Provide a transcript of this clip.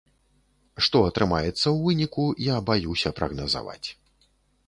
Што атрымаецца ў выніку, я баюся прагназаваць.